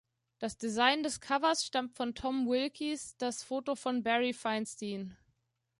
Das Design des Covers stammt von Tom Wilkes, das Foto von Barry Feinstein.